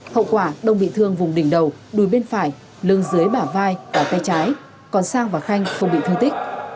hậu quả đông bị thương vùng đỉnh đầu đùi bên phải lưng dưới bả vai và tay trái còn sang và khanh không bị thương tích